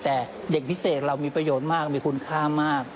แต่เด็กพิเศษเรามีประโยชน์มากมีคุณค่ามาก